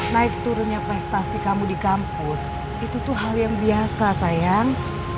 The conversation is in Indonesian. naik turunnya prestasi kamu di kampus itu tuh hal yang biasa sayang